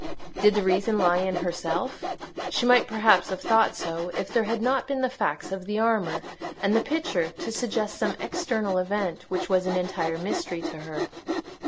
Did the reason lie in herself? She might perhaps have thought so, if there had not been the facts of the armour and the picture to suggest some external event which was an entire mystery to her.